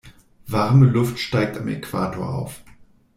Warme Luft steigt am Äquator auf.